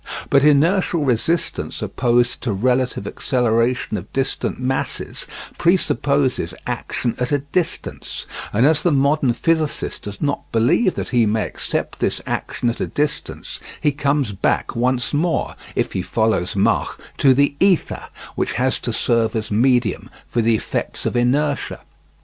But inertial resistance opposed to relative acceleration of distant masses presupposes action at a distance; and as the modern physicist does not believe that he may accept this action at a distance, he comes back once more, if he follows Mach, to the ether, which has to serve as medium for the effects of inertia.